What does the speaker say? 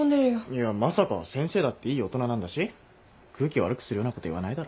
いやまさか先生だっていい大人なんだし空気悪くするようなこと言わないだろ。